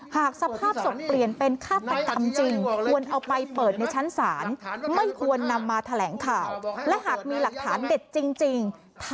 หากสภาพศพเปลี่ยนเป็นฆาตกรรมจริง